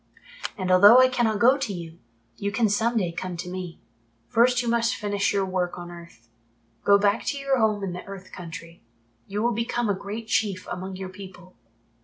And although I cannot go to you, you can some day come to me. First you must finish your work on earth. Go back to your home in the Earth Country. You will become a great Chief among your people.